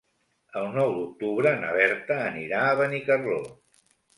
El nou d'octubre na Berta anirà a Benicarló.